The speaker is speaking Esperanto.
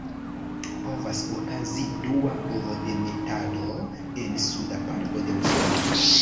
Povas okazi dua ovodemetado en suda parto de Usono.